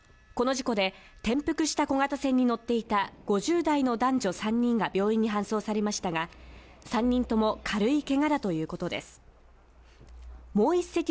この事故で、転覆した小型船に乗っていた４０代から５０代の男女３人が病院に搬送されましたが、３人とも軽いけがだということです。